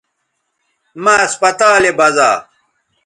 مہ اسپتالے بزا